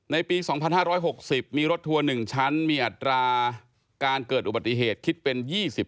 ปี๒๕๖๐มีรถทัวร์๑ชั้นมีอัตราการเกิดอุบัติเหตุคิดเป็น๒๐